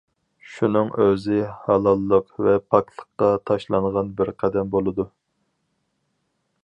شۇنىڭ ئۆزى ھالاللىق ۋە پاكلىققا تاشلانغان بىر قەدەم بولىدۇ.